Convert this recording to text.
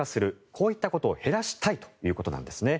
こういったことを減らしたいということです。